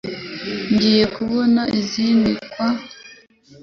Ngiye kubona izindi kawa